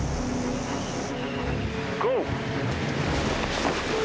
ゴー！